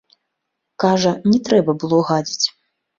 Кажа, не трэба было гадзіць.